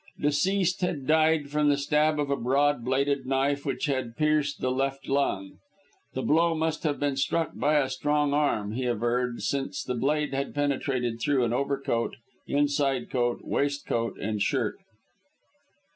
Deceased had died from the stab of a broad bladed knife which had pierced the left lung. The blow must have been struck by a strong arm, he averred, since the blade had penetrated through an overcoat, inside coat, waistcoat and shirt.